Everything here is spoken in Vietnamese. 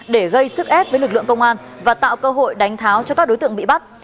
để gây sức ép với lực lượng công an và tạo cơ hội đánh tháo cho các đối tượng bị bắt